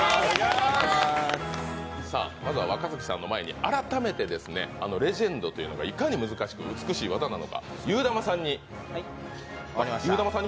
まずは若槻さんの前に改めてレジェンドというのがいかに美しく難しい技なのかゆーだまさんに。